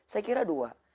saya kira dua